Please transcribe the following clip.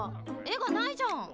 絵がないじゃん。